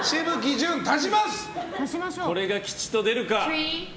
これが吉と出るか。